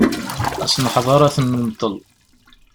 Ad sen-neḥder ad ten-nenṭel.